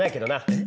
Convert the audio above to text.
えっ？